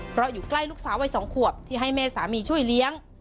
เพราะอยู่ใกล้ลูกสาววัย๒ขวบที่ให้แม่สามีช่วยเลี้ยง